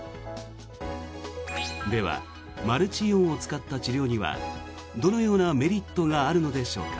ではマルチイオンを使った治療にはどのようなメリットがあるのでしょうか。